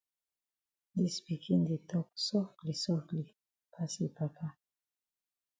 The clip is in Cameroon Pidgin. Dis pikin di tok sofli sofli pass yi pa.